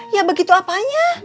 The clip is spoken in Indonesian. ya begitu apanya